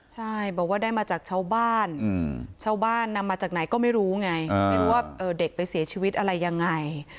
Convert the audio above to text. ใช่บอกว่าได้มาจากชาวบ้านชาวบ้านนำมาจากไหนก็ไม่รู้ไงไม่รู้ว่าเด็กไปเสียชีวิตอะไรยังไง